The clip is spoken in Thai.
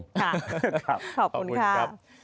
ขอบคุณครับ